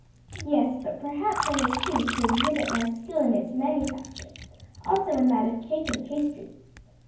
"Yes, but perhaps I may choose to exhibit my skill in its manufacture; also in that of cake and pastry."